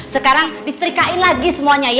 sekarang disetrikain lagi semuanya ya